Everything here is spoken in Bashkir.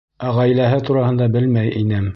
Ә ғаиләһе тураһында белмәй инем.